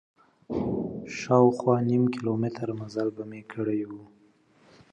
شاوخوا نیم کیلومتر مزل به مې کړی و.